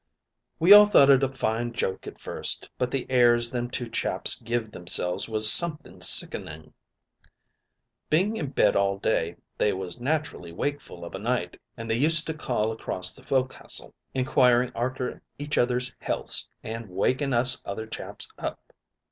"We all thought it a fine joke at first, but the airs them two chaps give themselves was something sickening. Being in bed all day, they was naturally wakeful of a night, and they used to call across the foc'sle inquiring arter each other's healths, an' waking us other chaps up.